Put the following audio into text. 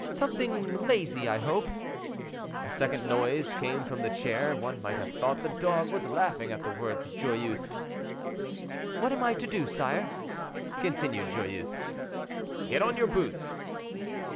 "Something lazy, I hope?" A second noise came from the chair; one might have thought the dog was laughing at the words of Joyeuse. "What am I to do, sire?" continued Joyeuse. "Get on your boots."